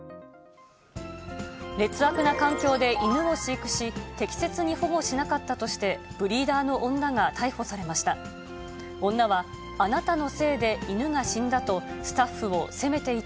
劣悪な環境で犬を飼育し、適切に保護しなかったとして、ブリーダーの女が逮捕されました。